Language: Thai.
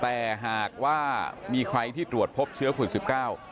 แต่หากว่ามีใครที่ตรวจพบเชื้อโควิดสิบเก้า